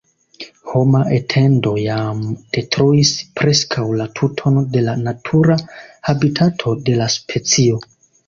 Homa etendo jam detruis preskaŭ la tuton de la natura habitato de la specio.